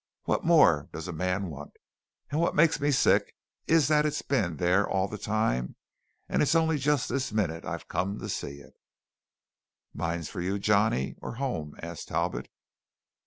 What more does a man want? And what makes me sick is that it's been thar all the time and it's only just this minute I've come to see it." "Mines for you, Johnny, or home?" asked Talbot.